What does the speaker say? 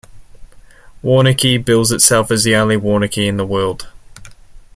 Waunakee bills itself as The Only Waunakee in the World.